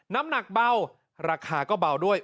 น้ำหนักเบาราคาก็เบาด้วย